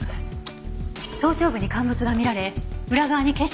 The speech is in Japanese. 頭頂部に陥没が見られ裏側に血腫の痕跡も。